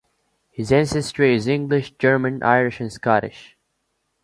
His ancestry is English, German, Irish and Scottish.